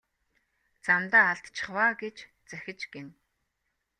Замдаа алдчихав аа гэж захиж гэнэ.